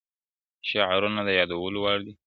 شعرونه د یادولو وړ دي -